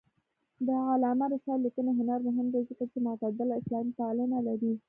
د علامه رشاد لیکنی هنر مهم دی ځکه چې معتدله اسلاميپالنه لري.